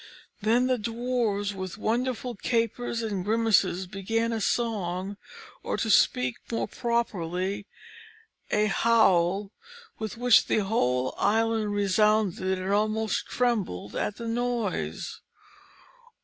Then the Dwarfs, with wonderful capers and grimaces, began a song, or, to speak more properly, a howl, with which the whole island resounded and almost trembled at the noise.